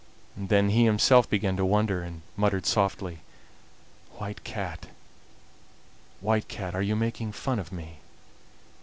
Then he himself began to wonder, and muttered softly: "White Cat, White Cat, are you making fun of me?"